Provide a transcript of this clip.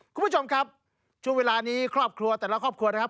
คุณผู้ชมครับช่วงเวลานี้ครอบครัวแต่ละครอบครัวนะครับ